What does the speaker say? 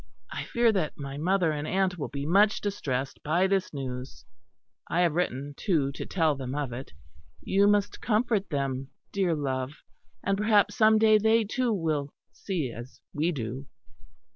I fear that my mother and aunt will be much distressed by this news; I have written, too, to tell them of it. You must comfort them, dear love; and perhaps some day they, too, will see as we do."